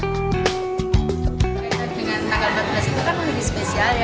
dengan tanggal empat belas itu kan menjadi spesial